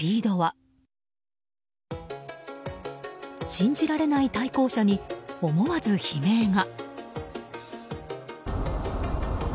信じられない対向車に思わず悲鳴が。